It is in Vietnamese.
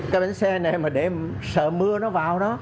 cái bến xe này mà để sợ mưa nó vào đó